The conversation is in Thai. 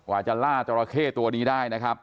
จะล่าจราเข้ตัวนี้ได้นะครับ